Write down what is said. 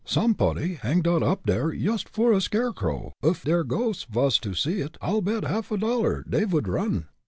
Somepody hang dot up there yoost for a scare crow. Uff der ghosts vas to see it, I'll bet a half dollar dey vould run."